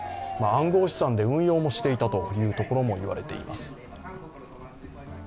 暗号資産で運用もしていたというところも言われています。